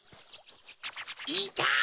いた！